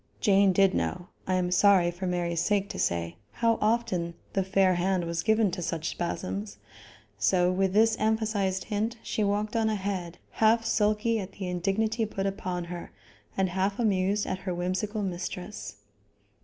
Jane did know, I am sorry for Mary's sake to say, how often the fair hand was given to such spasms; so with this emphasized hint she walked on ahead, half sulky at the indignity put upon her, and half amused at her whimsical mistress.